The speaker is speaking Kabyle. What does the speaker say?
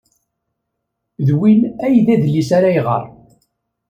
D win ay d adlis ara iɣer.